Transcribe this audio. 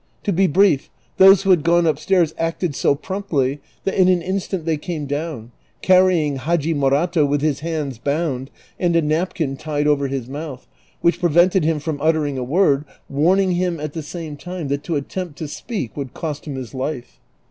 To be brief, those who had gone upstairs acted so promptly that in an instant they came down, carrying Hadji Morato with his hands bound and a napkin tied over his mouth, which jjrevented him from uttering a word, warning him at the same time that to attempt to speak would cost him his life.